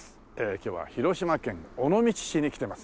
今日は広島県尾道市に来ています。